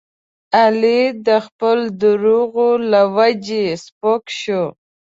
علي د خپلو دروغو له وجې سپک شو.